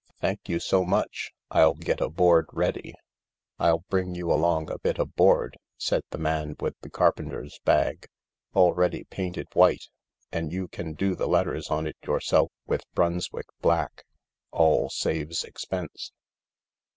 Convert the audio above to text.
" Thank you so much. I'll get a board ready." " I'll bring you along a bit o' board," said the man with the carpenter's bag, "all ready painted white — and you can do the letters on it yourself with Brunswick black. All saves expense."